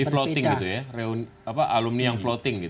jadi floating gitu ya alumni yang floating gitu